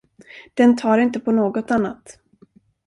Den tar inte på något annat.